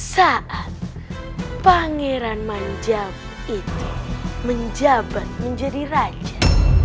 saat pangeran manjab itu menjabat menjadi raja